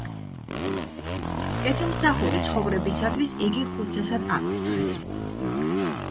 კეთილმსახური ცხოვრებისათვის იგი ხუცესად აკურთხეს.